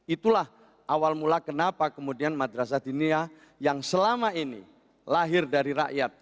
itulah awal mula kenapa kemudian madrasah dinia yang selama ini lahir dari rakyat